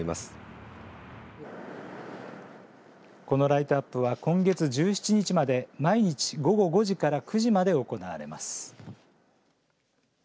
このライトアップは今月１７日まで毎日、午後５時から９時まで行われます。